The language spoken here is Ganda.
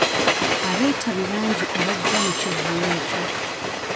Abeetabi bangi abajja mu kivvulu ekyo.